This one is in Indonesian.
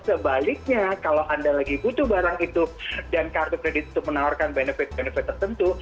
sebaliknya kalau anda lagi butuh barang itu dan kartu kredit untuk menawarkan benefit benefit tertentu